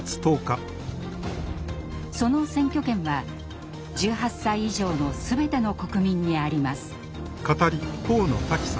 その選挙権は、１８歳以上のすべての国民にあります。